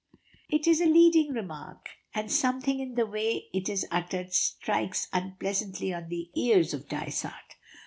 It is a leading remark, and something in the way it is uttered strikes unpleasantly on the ears of Dysart.